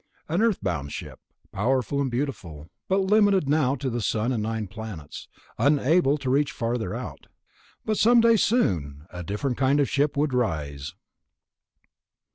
An Earth bound ship, powerful and beautiful, but limited now to the sun and nine planets, unable to reach farther out. But someday soon a different kind of ship would rise.